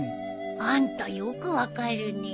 あんたよく分かるね。